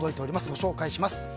ご紹介します。